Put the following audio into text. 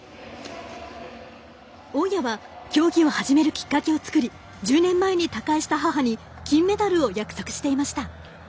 大矢は競技を始めるきっかけをつくり１０年前に他界した母に金メダルを約束していました。